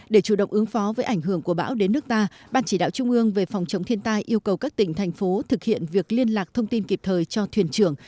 để chủ động ứng phó với ảnh hưởng của bão đến nước ta ban chỉ đạo trung ương về phòng chống thiên tai yêu cầu các tỉnh thành phố thực hiện việc liên lạc thông tin kịp thời cho thuyền trưởng